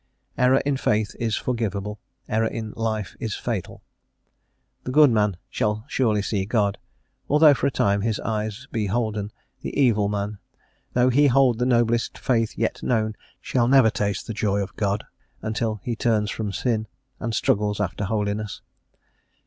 Error in faith is forgiveable; error in life is fatal. The good man shall surely see God, although, for a time, his eyes be holden; the evil man, though he hold the noblest faith yet known, shall never taste the joy of God, until he turns from sin, and struggles after holiness.